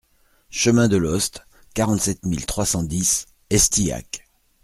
Chemin de Lhoste, quarante-sept mille trois cent dix Estillac